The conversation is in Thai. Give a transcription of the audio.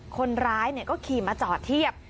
คนร้ายก็ขี่มาจอดเทียบ